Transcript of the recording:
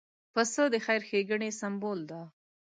پسه د خیر ښېګڼې سمبول دی.